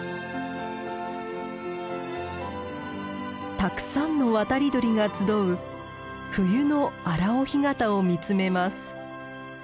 たくさんの渡り鳥が集う冬の荒尾干潟を見つめます。